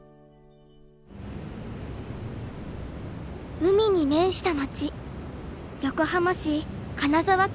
海に面した町横浜市金沢区。